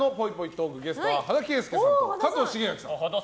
トークゲストは羽田圭介さんと加藤シゲアキさん。